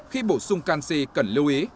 khi bổ sung canxi cần lưu ý